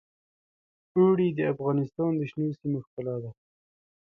اوړي د افغانستان د شنو سیمو ښکلا ده.